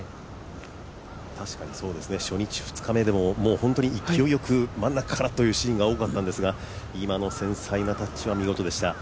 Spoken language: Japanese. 初日、２日目でも勢いよく真ん中からというシーンが多かったんですが今の繊細なタッチは見事でした。